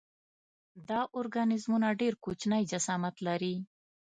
دا ارګانیزمونه ډېر کوچنی جسامت لري.